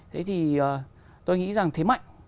thế thì tôi nghĩ rằng thế mạnh